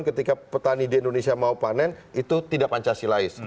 ketika petani di indonesia mau panen itu tidak pancasilais